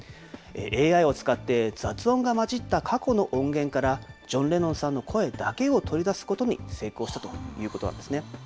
ＡＩを使って、雑音が混じった過去の音源から、ジョン・レノンさんの声だけを取り出すことに成功したということなんですね。